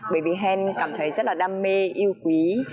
bởi vì hen cảm thấy rất là đam mê yêu quý